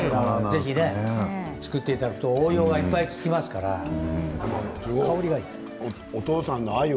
ぜひ作っていただくと応用がいっぱい利きますから香りがいい。